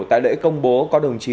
tại lễ công bố có đồng chí